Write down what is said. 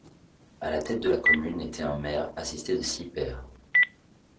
À la tête de la commune était un maire, assisté de six pairs.